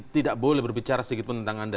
tidak boleh berbicara sedikitpun tentang anda